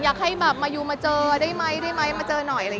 อยากให้มาอยู่มาเจอได้ไหมมาเจอหน่อย